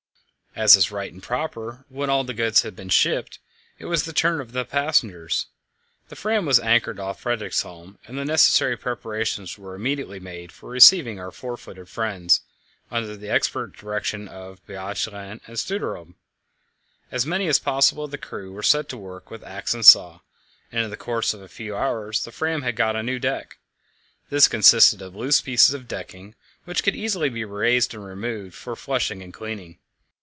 As is right and proper, when all the goods had been shipped, it was the turn of the passengers. The Fram was anchored off Fredriksholm, and the necessary preparations were immediately made for receiving our four footed friends. Under the expert direction of Bjaaland and Stubberud, as many as possible of the crew were set to work with axe and saw, and in the course of a few hours the Fram had got a new deck. This consisted of loose pieces of decking, which could easily be raised and removed for flushing and cleaning.